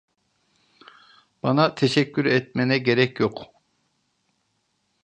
Bana teşekkür etmene gerek yok.